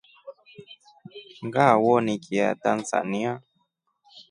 Nga wonikia Tanzania.